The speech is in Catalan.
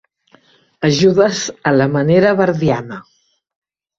Ajudes a la manera verdiana.